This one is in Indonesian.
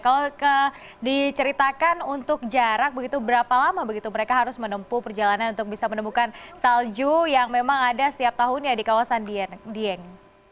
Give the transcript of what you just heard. kalau diceritakan untuk jarak begitu berapa lama begitu mereka harus menempuh perjalanan untuk bisa menemukan salju yang memang ada setiap tahunnya di kawasan dieng